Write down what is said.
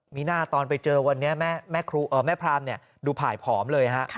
มีหน้าตอนไปเจอวันนี้แม่พรามดูผ่ายผอมเลยฮะ